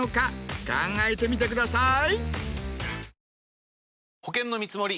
考えてみてください。